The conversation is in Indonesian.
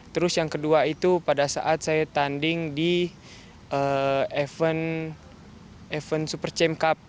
terus yang kedua itu pada saat saya tanding di event super champ cup